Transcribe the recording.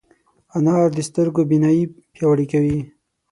انار د سترګو بینايي پیاوړې کوي.